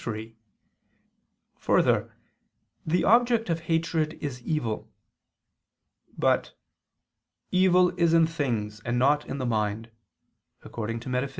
3: Further, the object of hatred is evil. But "evil is in things, and not in the mind" (Metaph.